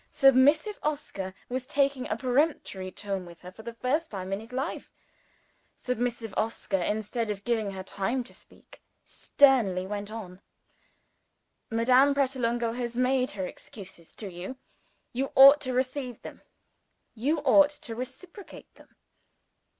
Submissive Oscar was taking a peremptory tone with her for the first time in his life. Submissive Oscar, instead of giving her time to speak, sternly went on. "Madame Pratolungo has made her excuses to you. You ought to receive them; you ought to reciprocate them.